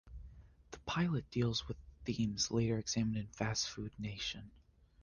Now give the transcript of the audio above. The pilot deals with themes later examined in "Fast Food Nation".